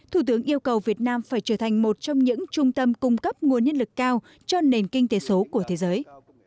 thủ tướng yêu cầu việt nam phải trở thành một trong những trung tâm cung cấp nguồn nhân lực cao cho nền kinh tế số của thế giới